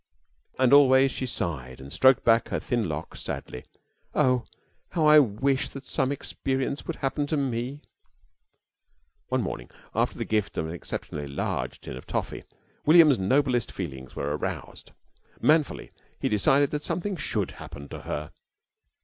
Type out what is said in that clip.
And always she sighed and stroked back her thin locks, sadly. "Oh, how I wish that some experience would happen to me!" One morning, after the gift of an exceptionally large tin of toffee, William's noblest feelings were aroused. Manfully he decided that something should happen to her.